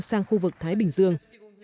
sang khu vực thái bình dương